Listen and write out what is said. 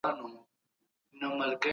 ملي شورا د نړیوالي محکمې پریکړه نه ردوي.